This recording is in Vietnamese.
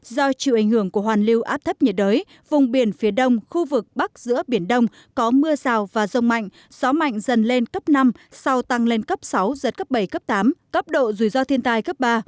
do chịu ảnh hưởng của hoàn lưu áp thấp nhiệt đới vùng biển phía đông khu vực bắc giữa biển đông có mưa rào và rông mạnh gió mạnh dần lên cấp năm sau tăng lên cấp sáu giật cấp bảy cấp tám cấp độ rủi ro thiên tai cấp ba